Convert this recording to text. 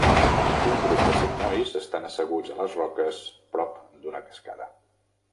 Un grup de cinc nois estan asseguts a les roques prop d'una cascada.